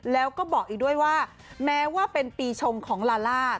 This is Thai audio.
แล้วก็บอกอีกด้วยว่าแม้ว่าเป็นปีชงของลาล่า